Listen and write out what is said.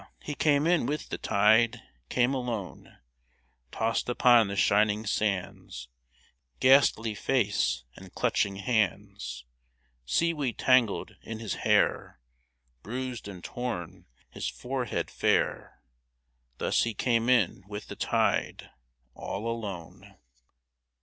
he came in with the tide — Came alone ! Tossed upon the shining sands — Ghastly face and clutching hands — Seaweed tangled in his hair — Bruised and torn his forehead fair — Thus he came in with the tide, All alone